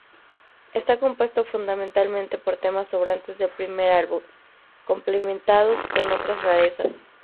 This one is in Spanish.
Está compuesto fundamentalmente por temas sobrantes del primer álbum, complementados con otras rarezas.